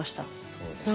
そうですね。